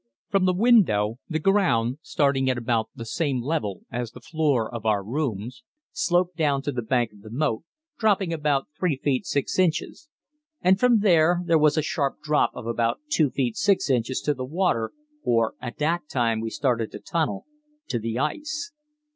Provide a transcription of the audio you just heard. From the window, the ground, starting at about the same level as the floor of our rooms, sloped down to the bank of the moat, dropping about 3 feet 6 inches, and from there there was a sharp drop of about 2 feet 6 inches to the water or, at the time we started the tunnel, to the ice.